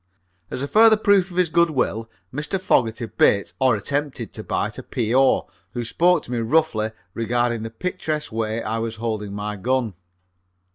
As a further proof of his good will Mr. Fogerty bit, or attempted to bite, a P.O. who spoke to me roughly regarding the picturesque way I was holding my gun.